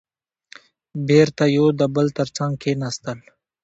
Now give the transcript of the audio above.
بېرته يو د بل تر څنګ کېناستل.